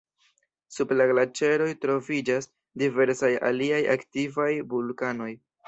Sub la glaĉeroj troviĝas diversaj aliaj aktivaj vulkanoj.